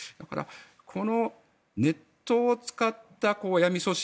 このネットを使った闇組織